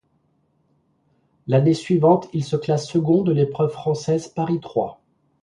L'année suivante, il se classe second de l'épreuve française Paris-Troyes.